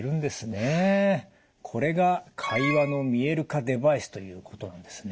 これが会話の見える化デバイスということなんですね。